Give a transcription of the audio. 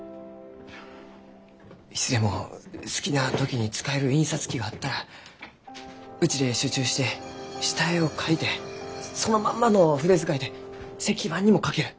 いつでも好きな時に使える印刷機があったらうちで集中して下絵を描いてそのまんまの筆遣いで石版にも描ける。